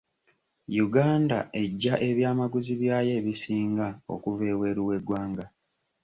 Uganda eggya ebyamaguzi byayo ebisinga okuva ebweru w'eggwanga.